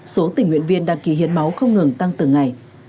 số tỉnh huyện viên đang kỳ hiến máu không ngừng tăng từ ngày